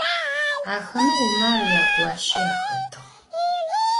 Axeme Vumar yaguaşi axetığ.